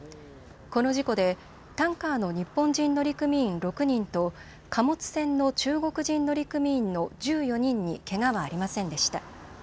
この事故でタンカーの日本人乗組員６人と貨物船の中国人乗組員の１４人にけがはありませんでした。